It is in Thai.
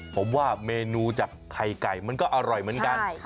ผมว่าเมนูจากไข่ไก่มันก็อร่อยเหมือนกัน